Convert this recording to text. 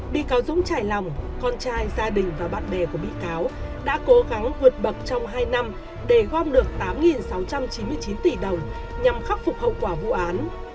bị cáo dũng trải lòng con trai gia đình và bạn bè của bị cáo đã cố gắng vượt bậc trong hai năm để gom được tám sáu trăm chín mươi chín tỷ đồng nhằm khắc phục hậu quả vụ án